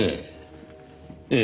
ええ。